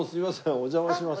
お邪魔します。